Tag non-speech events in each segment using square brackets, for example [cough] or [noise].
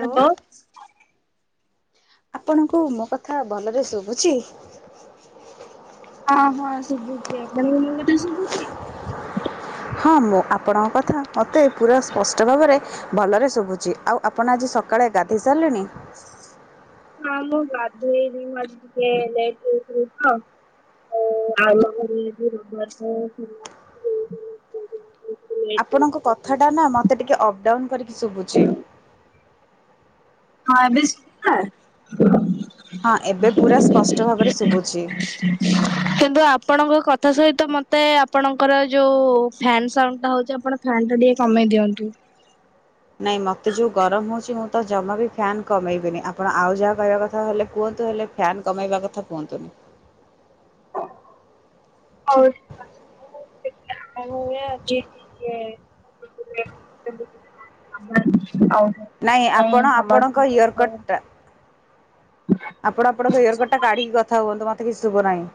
Hello. ଆପଣଙ୍କୁ ମୋ କଥା ଭଲରେ ଶୁଭୁଛି? ଅଁ ହଁ ଶୁଭୁଛି ଆପଣଙ୍କ ମୋ କଥା ଶୁଭୁଛି? ହଁ ମୁଁ ଆପଣଙ୍କ କଥା ମତେ ପୁରା ସ୍ପଷ୍ଟ ଭାବରେ ଭଲରେ ଶୁଭୁଛି। ଆଉ ଆପଣ ଆଜି ସକାଳେ ଗାଧେଇ ସାରିଲେଣି? ନାଁ ମୁଁ ଗାଧେଇନି ମୁଁ ଆଜି ଟିକେ ଲେଟ ରେ ଉଠିଲି ତ। ଅ ଆଉ ର [unintelligible] ଆପଣଙ୍କ କଥାଟା ନା ମତେ ଟିକେ ଅପ୍ ଡାଉନ କରିକି ଶୁବୁଚି। ହଁ ଏବେ ସୁବିଲା? ହଁ ଏବେ ପୁରା ସ୍ପଷ୍ଟ ଭାବରେ ଶୁବୁଚି। [inaudible] କିନ୍ତୁ ଆପଣଙ୍କ କଥା ସହିତ ମୋତେ ଆପଣଙ୍କର ହୋଉ ଫ୍ୟାନ୍ ସାଉଣ୍ଡ ଟା ହଉଛି ଆପଣ ଫ୍ୟାନ୍ ଟା ଟିକେ କମେଇ ଦିଅନ୍ତୁ। ନାଇଁ ମୋତେ ଯେଉଁ ଗରମ ହେଉଛି ମୁଁ ତ ଜମା ବି ଫ୍ୟାନ୍ କମେଇବିନି। ଆପଣ ଆଉ ଯାହା କହିବା କଥା ହେଲେ କୁହନ୍ତୁ ହେଲେ ଫ୍ୟାନ୍ କମାଇବା କଥା କୁହନ୍ତୁନି। ହଉ। ଣ [unintelligible] ଅ ହ। [unintelligible] ନାଇଁ ଆପଣ ଆପଣଙ୍କ ଇୟରକଟ୍ ଟା ଆପଣ ଆପଣଙ୍କ ଇୟରକଡ଼ ଟା କାଢିକି କଥା ହୁଅନ୍ତୁ ମତେ କିଛି ଶୁଭୁ ନାହିଁ।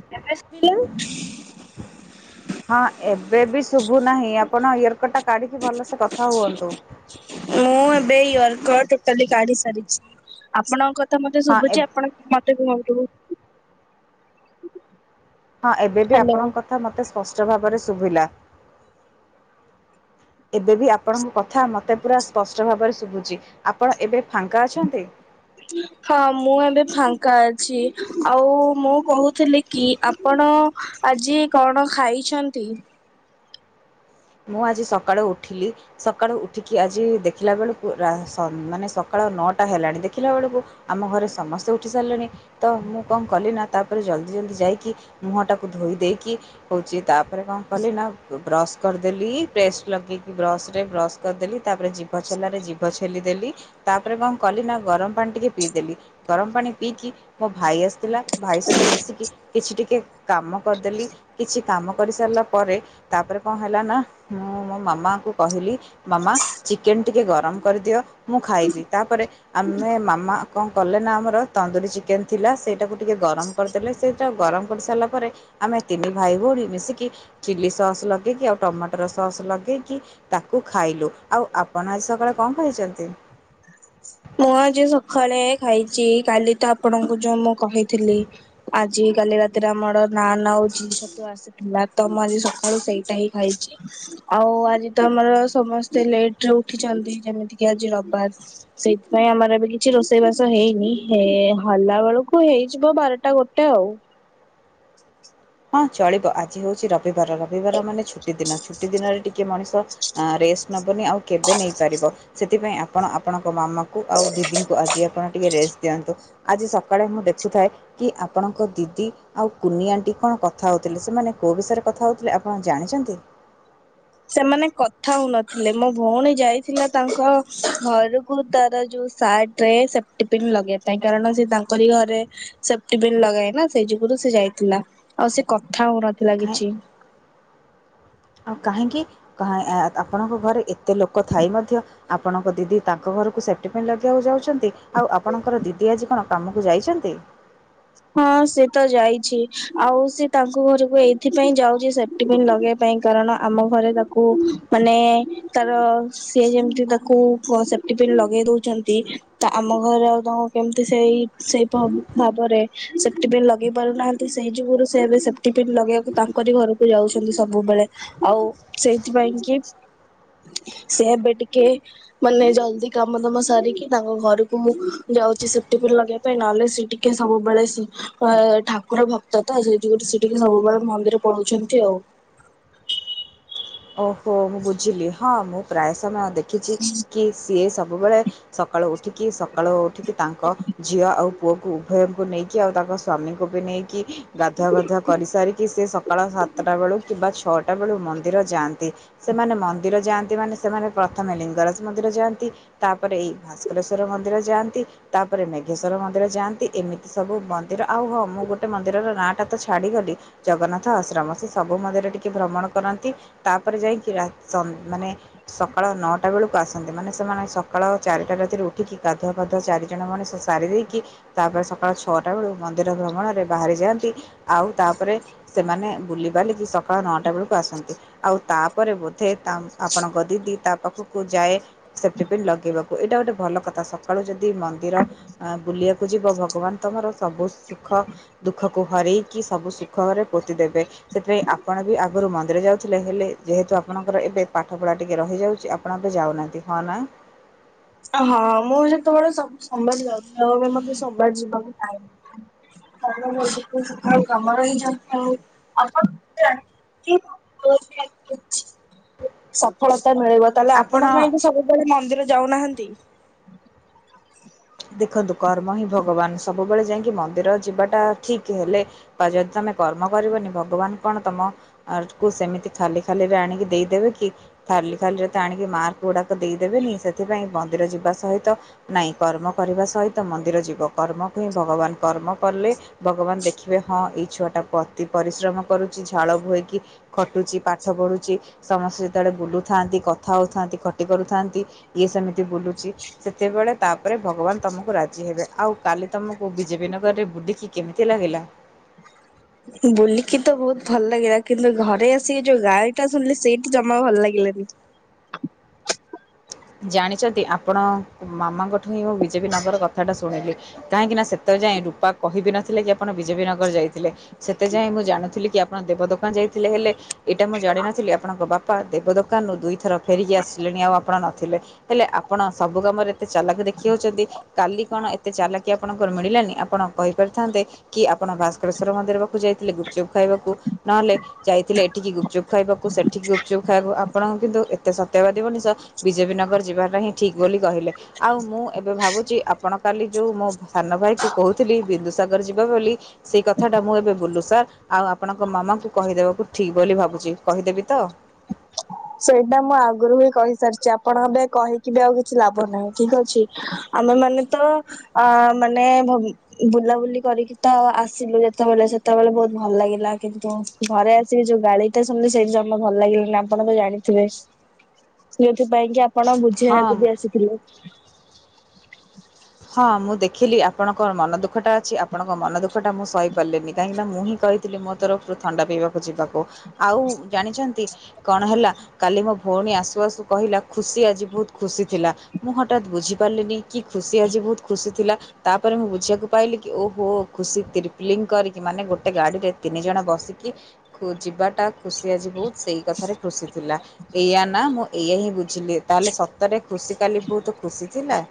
ଏବେ ଶୁବିଲା? ହଁ ଏବେ ବି ଶୁଭୁ ନାହିଁ। ଆପଣ ଇୟରକଟ ଟା କାଢ଼ିକି ଭଲସେ କଥା ହୁଅନ୍ତୁ। ମୁଁ ଏବେ ଇୟରକଟ ଟୋଟାଲି କାଢି ସାରିଚି। ଆପଣଙ୍କ କଥା ମତେ ହଁ ଶୁଭୁଛି ଏବ୍ ଆପଣ ମତେ କୁହନ୍ତୁ? ହଁ ଏବେ ବି ହ୍ୟାଲୋ। ଆପଣଙ୍କ କଥା ମତେ ସ୍ପଷ୍ଟ ଭାବରେ ଶୁଭିଲା। ଏବେ ବି ଆପଣଙ୍କ କଥା ମୋତେ ପୁରା ସ୍ପଷ୍ଟ ଭାବରେ ଶୁଭୁଛି। ଆପଣ ଏବେ ଫାଙ୍କା ଅଛନ୍ତି? ହଁ ମୁଁ ଏବେ ଫାଙ୍କା ଅଛି। ଆଉ ମୁଁ କହୁଥିଲି କି ଆପଣ ଆଜି କଣ ଖାଇଛନ୍ତି? ମୁଁ ଆଜି ସକାଳୁ ଉଠିଲି ସକାଳୁ ଉଠିକି ଆଜି ଦେଖିଲା ବେଳକୁ ରା ସ ମାନେ ସକାଳ ନଅଟା ହେଲାଣି। ଦେଖିଲା ବେଳକୁ ଆମ ଘରେ ସମସ୍ତେ ଉଠି ସାରିଲେଣି। ତ ମୁଁ କଣ କଲି ନା, ତାପରେ ଜଲ୍ଦି ଜଲଦି ଯାଇକି ମୁହଁ ଟାକୁ ଧୋଇ ଦେଇକି, ହଉଛି ତା ତାପରେ କଣ କଲି ନା ବ୍ରସ୍ କରିଦେଲି ପେଷ୍ଟ ଲଗେଇକି ବ୍ରସରେ ବ୍ରସ୍ କରିଦେଲି। ତାପରେ ଜିଭ ଛେଲାରେ ଜିଭ ଛେଲିଦେଲି। ତାପରେ କଣ କଲି ନା ଗରମ ପାଣି ଟିକେ ପିଇଦେଲି। ଗରମ ପାଣି ପିଇକି ମୋ ଭାଇ ଆସିଥିଲା ଭାଇ ସହିତ ମିଶିକି କିଛି ଟିକେ କାମ କରିଦେଲି। କିଛି କାମ କରିସାରିଲା ପରେ ତାପରେ କଣ ହେଲା ନା ମୁଁ ମୋ ମାମାଙ୍କୁ କହିଲି ମାମା ଚିକେନ ଟିକେ ଗରମ କରିଦିଅ ମୁଁ ଖାଇବି। ତାପରେ ଆମେ ମାମା କଣ କଲେ ନା ଆମର ତନ୍ଦୁରୀ ଚିକେନ ଥିଲା। ସେଇଟାକୁ ଟିକେ ଗରମ କରିଦେଲେ ସେଇଟା ଗରମ କରିସାରିଲା ପରେ ଆମେ ତିନି ଭାଇ ଭଉଣୀ ମିଶିକି ଚିଲି ସସ୍ ଲ କିକି ଆଉ ଟମାଟର ସସ୍ ଲଗେଇକି ତାକୁ ଖାଇଲୁ। ଆଉ ଆପଣ ଆଜି ସକାଳେ କଣ ଖାଇଛନ୍ତି? ମୁଁ ଆଜି ସକାଳେ ଖାଇଛି କାଲି ତ ଆପଣଙ୍କୁ ଯୋଉ ମୁଁ କହିଥିଲି। ଆ ଜି କାଲି ରାତିରେ ଆମର ନାନ ଆଉ ଜି ଛତୁ ଆସ ଥିଲା ତ ମୁଁ ଆଜି ସକାଳୁ ସେଇଟା ହିଁ ଖାଇଛି। ଆଉ ଆଜି ତ ଆମର ସମସ୍ତେ ଲେଟ୍ ରେ ଉଠିଛନ୍ତି। ଯେମିତିକ ଆଜି ରବିବାର। ସେଇଥିପାଇଁ ଆମର ଏବେ କିଛି ରୋଷେଇବାସ ହେଇନି, ହେ ହଲା ବେଳକୁ ହେଇଯିବ ବାରଟା ଗୋଟେ ଆଉ। ହଁ ଚଳିବ ଆଜି ହଉଛି ରବିବାର ରବିବାର ମାନେ ଛୁଟି ଦିନ। ଛୁଟି ଦିନରେ ଟିକେ ମଣିଷ ରେଷ୍ଟ ନେବନି ଆଉ କେବେ ନେଇପାରିବ। ସେଥିପାଇଁ ଆପଣ ଆପଣଙ୍କ ମାମାଙ୍କୁ ଆଉ ଦିଦିଙ୍କୁ ଆଜି ଆପଣ ଟିକେ ରେଷ୍ଟ ଦିଅନ୍ତୁ। ଆଜି ସକାଳେ ମୁଁ ଦେଖୁଥାଏ କି ଆପଣଙ୍କ ଦିଦି ଆଉ କୁନି ଆଣ୍ଟି କଣ କଥା ହେଉଥିଲେ ସେମାନେ କେଉଁ ବିଷୟରେ କଥା ହେଉଥିଲେ ଆପଣ ଜାଣିଛନ୍ତି? ସେମାନେ କଥା ହଉନଥିଲେ ମୋ ଭଉଣୀ ଯାଇଥିଲା ତାଙ୍କ ଘରକୁ ତାର ଯୋଉ ସାର୍ଟ ସେଫ୍ଟି ପନ୍ ଲଗେଇବା ପାଇଁ କାରଣ ସେ ତାଙ୍କରି ଘରେ ସେପ୍ଟି ପିନ୍ ଲଗାଏନା ସେଇ ଯୁଗରୁ ସେ ଯାଇଥିଲା ଆଉ ସେ କଥା ହଉନଥିଲା କାହିଁ କିଛି ଆଉ କାହିଁକି ଆପଣଙ୍କ ଘରେ ଏତେ ଲୋକ ଥାଇ ମଧ୍ୟ ଆପଣଙ୍କ ଦିଦି ତାଙ୍କ ଘରକୁ ସେପ୍ ଟି ପିନ୍ ଲଗେଇବାକୁ ଯାଉଛନ୍ତି। ଆଉ ଆପଣଙ୍କର ଦିଦି ଆଜି କଣ କାମକୁ ଯାଇଛନ୍ତି। ହଁ ସେ ତ ଯାଇଛି ଆଉ ସେ ତାଙ୍କ ଘରକୁ ଏଇଥିପାଇଁ ଯାଉଛି ସେଫ୍ଟି ବିନ୍ ଲଗେଇବା ପାଇଁ କାରଣ ଆମ ଘରେ ତାକୁ ମାନେ ତାର ସିଏ ଯେମିତି ତାକୁ ସେପ୍ ଟି ପିନ୍ ଲଗେଇ ଦଉଛନ୍ତି ତ ଆମ ଘରେ ଆଉ ତମ କେମିତି ସେଇ ସେଇପ ଭାବରେ ସେଫ୍ଟି ପିନ୍ ଲଗେଇ ପାରୁନାହାନ୍ତି ସେଇ ଯୁଗରୁ ସେ ଏବେ ସେଫ୍ଟି ପିନ୍ ଲଗେଇବାକୁ ତାଙ୍କରି ଘରକୁ ଯାଉଛନ୍ତି ସବୁବେଳେ ଆଉ ସେଇଥିପାଇଁ କି ସେ ଏବେ ଟିକେ ମାନେ ଜଲ୍ଦି କାମ ଦାମ ସାରିକି ତାଙ୍କ ଘରକୁ ଯାଉଛି ସେଫ୍ଟି ପିନ୍ ଲଗେଇବା ପାଇଁ ନହେଲେ ସେ ଟିକେ ସବୁ ବେଳେ ଠାକୁର ଭକ୍ତ ତ ସେଇ ଯୋଗୁଁ ସେଠିକି ସବୁବେଳେ ମନ୍ଦିର ପଳଉଛନ୍ତି ଆଉ। ଓହୋ ମୁଁ ବୁଝିଲି ହଁ ମୁଁ ପ୍ରାୟ ସମୟ ଦେଖିଛି କି ସିଏ ସବୁବେଳେ ସକାଳୁ ଉଠିକି ସକାଳୁ ଉଠିକି ତାଙ୍କ ଝିଅ ଆଉ ପୁଅକୁ ଉଭୟଙ୍କୁ ନେଇକି ଆଉ ତାଙ୍କ ସ୍ୱାମୀଙ୍କୁ ବି ନେଇକି ଗାଧୁଆ ଗାଧୁଆ କରି ସାରିକି ସେ ସକାଳ ସାତଟା ବେଳୁ କିମ୍ବା ଛଅଟା ବେଳୁ ମନ୍ଦିର ଯାଆନ୍ତି। ସେମାନେ ମନ୍ଦିର ଯାଆନ୍ତି ମାନେ ସେମାନେ ପ୍ରଥମେ ଲିଙ୍ଗରାଜ ମନ୍ଦିର ଯାଆନ୍ତି। ତାପରେ ଏଇ ଭାସ୍କରେଶ୍ଵର ମନ୍ଦିର ଯାଆନ୍ତି ତାପରେ ମେଘେଶ୍ୱର ମନ୍ଦିର ଯାଆନ୍ତି ଏମିତି ସବୁ ମନ୍ଦିର ଆଉ ହଁ ମୁଁ ଗୋଟେ ମନ୍ଦିରର ନାଁଟା ତ ଛାଡ଼ିଗଲି ଜଗନ୍ନାଥ ଆଶ୍ରମ ସେ ସବୁ ମନ୍ଦିରେ ଟିକେ ଭ୍ରମଣ କରନ୍ତି। ତାପରେ ଯାଇକି ରାତି ମାନେ ସକାଳ ନଅଟା ବେଳକୁ ଆସନ୍ତି ମାନେ ସେମାନେ ସକାଳ ଚାରିଟା ରାତିରେ ଉଠିକି ଗାଧୁଆ ପାାଧୁ ଚାରି ଜଣେ [unintelligible] ମଣିଷ ସାରି ଦେଇେଇକି ତାପରେ ସକାଳ ଛଅଟା ବେଳୁ ମନ୍ଦିର ଭ୍ରମଣରେ ବାହାରି ଯାଆନ୍ତି ଆଉ ତାପରେ ସେମାନେ ବୁଲିିବାଲିକି ସକାଳ ନଅଟା ବେଳକୁ ଆସନ୍ତି। ଆଉ ତାପରେ ବୋଧେ ତା ଆପଣଙ୍କ ଦିଦି ତା ପାଖକୁ ଯାଏ ସେଫ୍ଟି ପିନ୍ ଲଗେଇବାକୁ ଏଇଟା ଗୋଟେ ଭଲ କଥା ସକାଳୁ ଯଦି ମନ୍ଦିର ଆ ବୁଲିବାକୁ ଯିବ ଭଗବାନ ତମର ସବୁ ସୁଖ ଦୁଃଖ କୁ ହରେଇକି ସବୁ ସୁଖରେ ପୋତି ଦେବେ ସେଥିପାଇଁ ଆପଣ ବି ଆଗରୁ ମନ୍ଦିର ଯାଉ ଥିଲେ ହେଲେ ଯେହେତୁ ଆପଣଙ୍କର ଏବେ ପାଠପଢ଼ା ଟିକିଏ ରହିଯାଉଛି ଆପଣ ଏବେ ଯାଉନାହାନ୍ତି ହଁ ନା ହଁ ମୁଁ ଯେତେବେଳେ ସବୁ ସୋମବାର ଯାଉଥିଲି ଆଉ ମତେ ସୋମବାର ଯିବାକୁ ଟାଇମ଼ [unintelligible] ତା ବ କାମର ହି ଯ ଆପଣ [unintelligible] [unintelligible] ସଫଳତା ମିଳିବ ତାହେଲେ ଆପଣ କାହିଁକି ସବୁବେଳେ ମନ୍ଦିର ଯାଉନାହାନ୍ତି? ଦେଖନ୍ତୁ କର୍ମ ହିଁ ଭଗବାନ ସବୁବେଳେ ଯାଇକି ମନ୍ଦିର ଯିବାଟା ଠିକ ହେଲେ ବା ଯଦି ତମେ କର୍ମ କରିବନି ଭଗବାନ କଣ ତମ ଆର୍ଥ କୁ ସେମିତି ଖାଲି ଖାଲି ରେ ଆଣିକି ଦେଇଦେବେ କି? ଖାଲି ଖାଲିରେ ତ ଆଣିକି ମାର୍କ ଗୁଡାକ ଦେଇଦେବେନି ସେଥିପାଇଁ ମନ୍ଦିର ଯିବା ସହିତ ନାଇଁ କର୍ମ କରିବା ସହିତ ମନ୍ଦିର ଯିବ କର୍ମକୁ ହିଁ ଭଗବାନ କର୍ମ କଲେ ଭଗବାନ ଦେଖିବେ ହଁ ଏଇ ଛୁଆ ଟାକୁ ଅତି ପରିଶ୍ରମ କରୁଛି ଝାଳ ବୁହାଇକି ଖଟୁଚି ପାଠ ପଢୁଛି ସମସ୍ତେ ଯେତେବେଳେ ବୁଲୁଥାନ୍ତି କଥା ହଉଥାନ୍ତି ଖଟି କରୁଥାନ୍ତି ଇଏ ସେମିତି ବୁଲୁଚି ସେତେବେଳେ ତାପରେ ଭଗବାନ୍ ତମକୁ ରାଜି ହେବେ, ଆଉ କାଲି ତମକୁ ବିଜେପି ନଗରରେ ବୁଲିକି କେମିତି ଲାଗିଲା? [inaudible] ବୁଲିକି ତ ବହୁତ୍ ଭଲ୍ ଲାଗିଲା କିନ୍ତୁ ଘରେ ଆସିକି ଯୋଉ ଗାଳି ଟା ଶୁଣିଲି ସେଇଠି ଜମା ଭଲ୍ ଲାଗିଲାନି। ଜାଣିଛନ୍ତି ଆପଣ ମାମାଙ୍କଠୁ ହିଁ ମୁଁ ବିଜେପି ନଗର କଥାଟା ଶୁଣିଲି। କାହିଁକି ନା ସେତବେଳେ ଯାଏଁ ରୂପା କହିବି ନଥିଲେ କି ଆପଣ ବିଜେପି ନଗର ଯାଇଥିଲେ। ସେତେ ଯାଏଁ ମୁଁ ଜାଣୁଥିଲି କି ଆପଣ ଦେବ ଦୋକାନ ଯାଇଥିଲେ ହେଲେ ଏଇଟା ମୁଁ ଜାଣିନଥିଲି ଆପଣଙ୍କ ବାପା ଦେବ ଦୋକାନରୁୁ ଦୁଇଥର ଫେରିକି ଆସିଲେଣି ଆଉ ଆପଣ ନ ଥିଲେ ହେଲେ ଆପଣ ସବୁ କାମରେ ଏତେ ଚାଲାକ୍ ଦେଖେଇ ହଉଚନ୍ତି, କାଲି କଣ ଏତେ ଚାଲାକ୍ କି ଆପଣଙ୍କର ମିଳିଲାନି ଆପଣ କହିପାରିଥାନ୍ତେ କି ଆପଣ ଭାସ୍କରେଶ୍ଵର ମନ୍ଦିର ପାଖକୁ ଯାଇଥିଲେ ଗୁପଚୁପ୍ ଖାଇବାକୁ ନହେଲେ ଯାଇଥିଲେ ଏଠିକି ଗୁପଚୁପ୍ ଖାଇବାକୁ ସେଠିକି ଗୁପଚୁପ୍ ଖାଇବାକୁ ଆପଣଙ୍କୁ କିନ୍ତୁ ଏତେ ସତ୍ୟବାଦୀ ମଣିଷ ବିଜେପି ନଗର ଯିବାଟା ହିଁ ଠିକ୍ ବୋଲି କହିଲେ। ଆଉ ମୁଁ ଏବେ ଭାବୁଚି ଆପଣ କାଲି ଯୋଉ ମୋ ସାନ ଭାଇ କୁ କହୁଥିଲି ବିନ୍ଦୁସାଗର ଯିବା ବୋଲି। ସେଇ କଥାଟା ମୁଁ ଏବେ ବୁଲୁ ସାର୍ ଆଉ ଆପଣଙ୍କ ମାମାଙ୍କୁ କହିଦେବାକୁ ଠିକ୍ ବୋଲି ଭାବୁଚି, କହିଦେବି ତ? ସେଇଟା ମୁଁ ଆଗରୁ ହିଁ କହିସାରିଚି, ଆପଣ ଏବେ କହିକି ବି ଆଉ କିଛି ଲାଭ ନାହିଁ ଠିକ୍ ଅଛି। ଆମେମାନେ ତ ଅ ମାନେ ଭ ବୁଲାବୁଲି କରିକି ତ ଆସିଲୁ ଯେତବେଳେ ସେତବେଳେ ବହୁତ୍ ଭଲ୍ ଲାଗିଲା କିନ୍ତୁ ଘରେ ଆସିକି ଯୋଉ ଗାଳିଟା ଶୁଣିଲି ସେଇଠି ଜମା ଭଲ୍ ଲାଗିଲାନି ଆପଣ ତ ଜାଣି ଥିବେ ଯେଉଥିପାଇଁ କି ଆପଣ ହଁ ବୁଝେଇବାକୁ ବି ଆସିଥିଲେ। ହଁ ମୁଁ ଦେଖିଲି ଆପଣଙ୍କ ମନ ଦୁଃଖ ଟା ଅଛି ଆପଣଙ୍କ ମନ ଦୁଃଖ ଟା ମୁଁ ସହିପାରିଲିନି କାହିଁକି ନା ମୁଁ ହିଁ କହିି ଥିଲି ମୋ ତରଫରୁ ଥଣ୍ଡା ପିଇବାକୁ ଯିବାକୁ, ଆଉ ଜାଣିଛନ୍ତି କଣ ହେଲା କାଲି ମୋ ଭଉଣୀ ଆସୁ-ଆସୁ କହିଲା ଖୁସି ଆଜି ବହୁତ୍ ଖୁସି ଥିଲା। ମୁଁ ହଟାତ୍ ବୁଝି ପାରିଲିନି କି ଖୁସି ଆଜି ବହୁତ୍ ଖୁସି ଥିଲା। ତାପରେ ମୁଁ ବୁଝିବାକୁ ପାଇଲି କି ଓହୋ ଖୁସି ଟ୍ରିପ୍ଲିଂ କରିକି ମାନେ ଗୋଟେ ଗାଡିରେ ତିନି ଜଣ ବସିକି ଯିବାଟା ଖୁସି ଆଜି ବହୁତ୍ ସେଇ କଥାରେ ଖୁସି ଥିଲା ଏଇଆ ନା ମୁଁ ଏଇଆ ହିଁ ବୁଝିଲି ତାହେଲେ ସତରେ ଖୁସି କାଲି ବହୁତ୍ ଖୁସି ଥିଲା?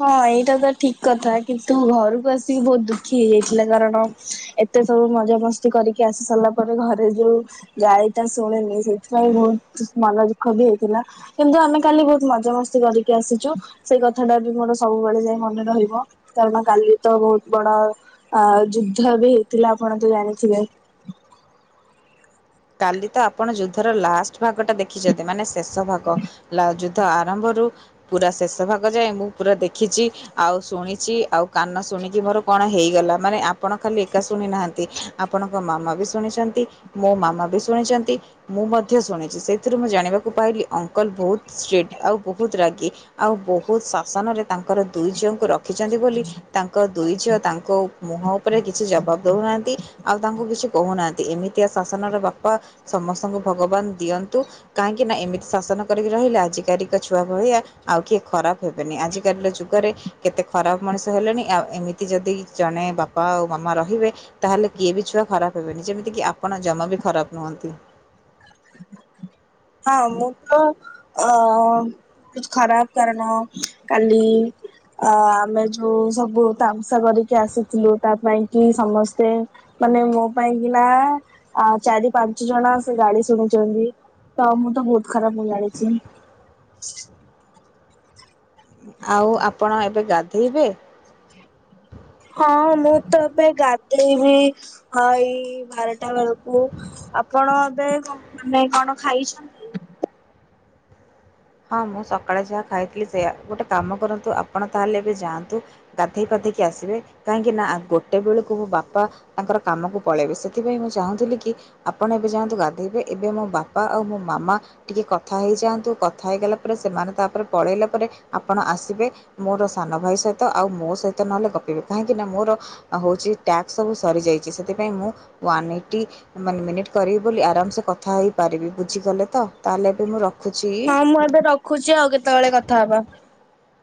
ହଁ ଏଇଟା ତ ଠିକ୍ କଥା କିନ୍ତୁ ଘରକୁ ଆସିକି ବହୁତ୍ ଦୁଃଖୀ ହେଇଯାଇଥିଲା କାରଣ ଏ ତେ ସବୁ ମଜାମସ୍ତି କରିକି ଆସି ସାରିଲା ପରେ ଘରେ ଯୋଉ ଗାଳି ଟା ଶୁଣିଲି ସେଇଥିପାଇଁ ବହୁତ୍ ମନ ଦୁଃଖ ବି ହେଇଥିଲା। କିନ୍ତୁ ଆମେ କାଲି ବହୁତ୍ ମଜା ମସ୍ତି କରିକି ଆସିଚୁ, ସେଇ କଥା ଟା ବି ମୋର ସବୁବେଳେ ଯାଏ ମନେ ରହିବ। କାରଣ କାଲି ତ ବହୁତ୍ ବଡ ଅ ଯୁଦ୍ଧ ବି ହେଇଥିଲା ଆପଣ ତ ଜାଣିଥିବେ। କାଲି ତ ଆପଣ ଯୁଦ୍ଧର ଲାଷ୍ଟ ଭାଗ ଟା ଦେଖିଚନ୍ତି ମାନେ ଶେଷ ଭାଗ। ଲା ଯୁଦ୍ଧ ଆରମ୍ଭରୁ ପୁରା ଶେଷ ଭାଗ ଯାଏ ମୁଁ ପୁରା ଦେଖିଚି। ଆଉ ଶୁଣିଚି ଆଉ କାନ ଶୁଣିକି ମୋର କଣ ହେଇଗଲା, ମାନେ ଆପଣ ଖାଲି ଏକା ଶୁଣି ନାହାନ୍ତି। ଆପଣଙ୍କ ମାମା ବି ଶୁଣିଛନ୍ତି ମୋ ମାମା ବି ଶୁଣିଚନ୍ତି। ମୁଁ ମଧ୍ୟ ଶୁଣିଚି ସେଇଥିରୁ ମୁଁ ଜାଣିବାକୁ ପାଇଲି ଅଙ୍କଲ୍ ବହୁତ୍ ଷ୍ଟ୍ରିକ୍ଟ ଆଉ ବହୁତ୍ ରାଗି। ଆଉ ବହୁତ୍ ଶାସନରେ ତାଙ୍କର ଦୁଇ ଝିଅଙ୍କୁ ରଖିଚନ୍ତି ବୋଲି ତାଙ୍କ ଦୁଇ ଝିଅ ତାଙ୍କ ମୁହଁ ଉପରେ କିଛି ଜବାବ୍ ଦଉନାହାନ୍ତି। ଆଉ ତାଙ୍କୁ କିଛି କହୁନାହାନ୍ତି, ଏମିତିଆ ଶାସନର ବାପା ସମସ୍ତଙ୍କୁ ଭଗବାନ୍ ଦିଅନ୍ତୁ। କାହିଁକି ନା ଏମିତି ଶାସନ କରିକି ରହିଲେ ଆଜିକାରିକା ଛୁଆ ଭଳିଆ ଆଉ କିଏ ଖରାପ୍ ହେବେନି, ଆଜିକାଲିର ଯୁଗରେ କେତେ ଖରାପ୍ ମଣିଷ ହେଲେଣି ଆଉ ଏମିତି ଯଦି ଜଣେ ବାପା ଆଉ ମାମା ରହିବେ ତାହେଲେ କିଏ ବି ଛୁଆ ଖରାପ୍ ହେବେନି, ଯେମିତିକିି ଆପଣ ଜମା ବି ଖରାପ୍ ନୁହଁନ୍ତି। ହଁ ମୁଁ ତ ଅ ଖରାପ୍ କାରଣ କାଲି ଆ ଆମେ ଯୋଉ ସବୁ ତାମ୍ସା କରିକି ଆସିଥିଲୁ ତା ପାଇଁକି ସମସ୍ତେ ମାନେ ମୋ ପାଇଁ କିନା ଆ ଚାରି ପାଞ୍ଚ ଜଣ ସେ ଗାଳି ଶୁଣିଚନ୍ତି। ତ ମୁଁ ତ ବହୁତ ଖରାପ ମୁଁ ଜାଣିଚି। ଆଉ ଆପଣ ଏବେ ଗାଧେଇବେ? ହଁ ମୁଁ ତ ଏବେ ଗାଧେଇବି ହଇ ବାରଟା ବେଳକୁ। ଆପଣ ଏବେ କ ମାନେ କଣ ଖାଇଛନ୍ତି? ହଁ ମୁଁ ସକାଳେ ଯାହା ଖାଇଥିଲି ସେୟା ଗୋଟେ କାମ କରନ୍ତୁ ଆପଣ ତାହେଲେ ଏବେ ଯାଆନ୍ତୁ ଗାଧେଇ ପାଧେଇକି ଆସିବେ କାହିଁକି ନା ଗୋଟେ ବେଳକୁ ବାପା ତାଙ୍କର କାମକୁ ପଳେଇବେ ସେଥିପାଇଁ ମୁଁ ଚାହୁଁଥିଲି କି ଆପଣ ଏବେ ଯାଆନ୍ତୁ ଗାଧେଇବେ ଏବେ ମୋ ବାପା ଆଉ ମୋ ମାମା ଟିକେ କଥା ହେଇଯାଆନ୍ତୁ କ କଥା ହେଇଗଲା ପରେ ସେମାନେ ତାପରେ ପଳେଇଲା ପରେ ଆପଣ ଆସିବେ। ମୋର ସାନ ଭାଇ ସହିତ ଆଉ ମୋ ସହିତ ନହେଲେ ଗପିବେ କାହିଁକି ନା ମୋର ହଉଛି ଟ୍ୟାକ୍ସ ସବୁ ସରିଯାଇଛି ସେଥିପାଇଁ ମୁଁ ୱାନ୍ ଏଇଟି ମାନେ ମିନିଟ କରିବି ବୋଲି ଆରାମସେ କଥା ହେଇପାରିବି ବୁଝିଗଲେ ତ ତାହେଲେ ଏବେ ମୁଁ ରଖୁଛି। ହଁ ମୁଁ ଏବେ ରଖୁଛି ଆଉ କେତେବେଳେ କଥା ହବା।